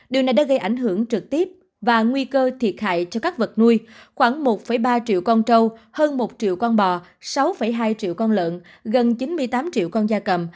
điều này đã gây ảnh hưởng trực tiếp và nguy cơ thiệt hại cho các vật nuôi khoảng một ba triệu con trâu hơn một triệu con bò sáu hai triệu con lợn gần chín mươi tám triệu con da cầm